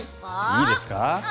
いいですか？